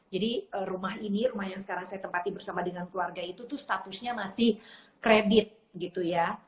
jadi rumah ini rumah yang sekarang saya tempati bersama dengan keluarga itu tuh statusnya masih kredit gitu ya